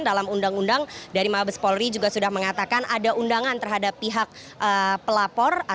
dalam undang undang dari mabes polri juga sudah mengatakan ada undangan terhadap pihak pelapor